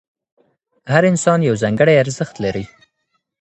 هر انسان یو ځانګړی ارزښت لري.